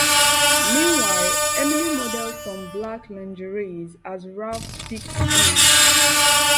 Meanwhile, Emily models some black lingerie as Ralph peeks in.